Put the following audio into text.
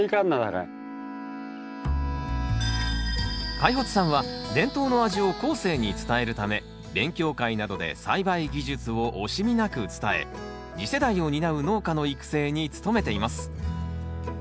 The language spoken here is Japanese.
開發さんは伝統の味を後世に伝えるため勉強会などで栽培技術を惜しみなく伝え次世代を担う農家の育成に努めています。